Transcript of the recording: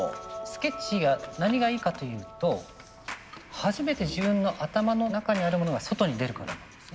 スケッチが何がいいかというと初めて自分の頭の中にあるものが外に出るからなんですね。